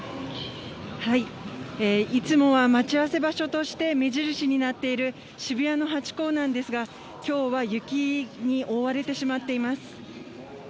いつもは待ち合わせ場所として目印になっている渋谷のハチ公なんですが、きょうは雪に覆われてしまっています。